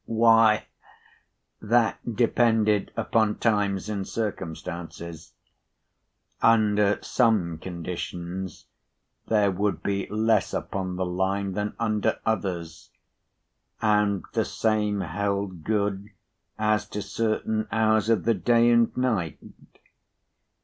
Why, that depended upon times and circumstances. Under some conditions there would be less upon the Line than under others, and the same held good as to certain hours of the day and night.